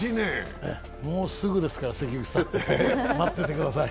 もうすぐですから、関口さん、待っててください。